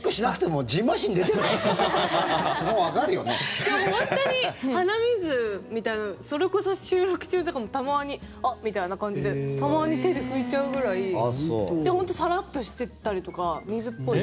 もう本当に鼻水みたいなそれこそ収録中とかもたまにあっ、みたいな感じでたまに手で拭いちゃうぐらい本当にサラッとしてたりとか水っぽい。